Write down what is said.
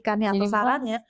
karena kritis atau sarannya